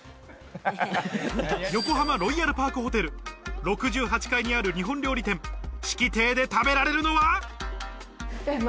横浜ロイヤルパークホテル６８階にある日本料理店・四季亭で食べられるのは？